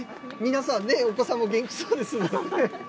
皆さんね、お子さんも元気そうですものね。